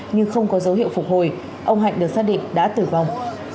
nhưng không có dấu hiệu phục hồi ông hạnh được xác định đã tử vong